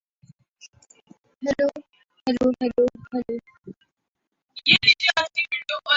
Williams challenged Sewell to throw the Eephus.